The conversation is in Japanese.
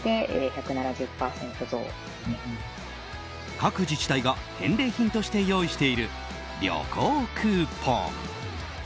各自治体が返礼品として用意している旅行クーポン。